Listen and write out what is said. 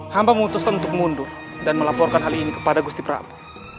hamba memutuskan untuk mundur dan melaporkan hal ini kepada gusti prabu